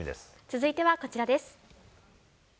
続いてはこちらです。